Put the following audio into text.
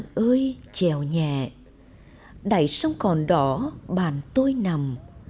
thạch hạn ơi trèo nhẹ đẩy sông còn đỏ bàn tôi nằm